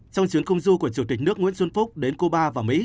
trong chuyến công du của chủ tịch nước nguyễn xuân phúc đến cuba và mỹ